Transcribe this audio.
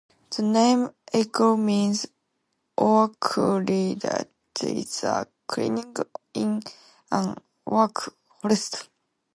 The name "Acle" means "oaks lea", that is, a clearing in an oak forest.